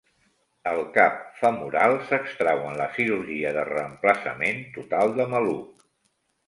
El cap femoral s'extrau en la cirurgia de reemplaçament total de maluc.